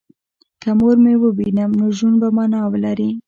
که مور مې ووینم نو ژوند به مانا ولري